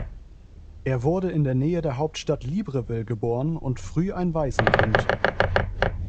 Er wurde in der Nähe der Hauptstadt Libreville geboren und früh ein Waisenkind.